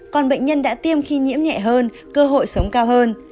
còn bệnh nhân đã tiêm khi nhiễm nhẹ hơn cơ hội sống cao hơn